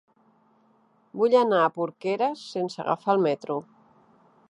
Vull anar a Porqueres sense agafar el metro.